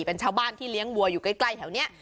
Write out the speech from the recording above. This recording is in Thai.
เป็นชาวบ้านที่เลี้ยงวัวอยู่ใกล้แถวนี้